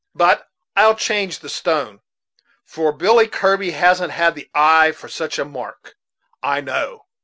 But I'll change the stone, for Billy Kirby hasn't the eye for such a mark, I know."